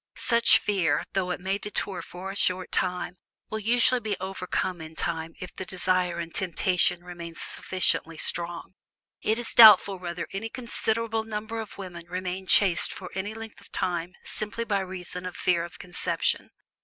Such fear, though it may deter for a short time, will usually be overcome in time if the desire and temptation remain sufficiently strong. It is doubtful whether any considerable number of women remain chaste for any length of time simply by reason of fear of conception.